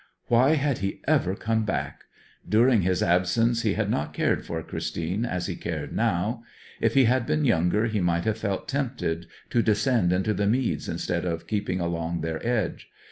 Why had he ever come back? During his absence he had not cared for Christine as he cared now. If he had been younger he might have felt tempted to descend into the meads instead of keeping along their edge.